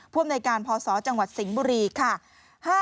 อำนวยการพศจังหวัดสิงห์บุรีค่ะ